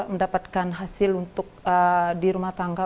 mendapatkan hasil untuk di rumah tangga